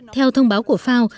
theo thông báo của fao